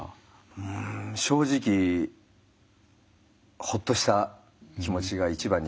うん正直ほっとした気持ちが一番に来ました。